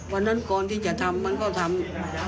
วันนั้นก่อนที่จะทำมันก็ทำ